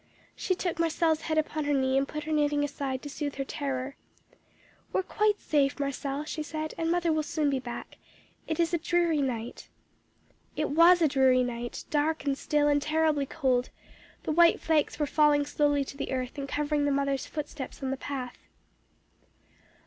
she took Marcelle's head upon her knee, and put her knitting aside to soothe her terror. "'We are quite safe, Marcelle,' she said, 'and mother will soon be back. It is a dreary night.' "It was a dreary night, dark and still and terribly cold; the white flakes were falling slowly to the earth, and covering the mother's footsteps on the path.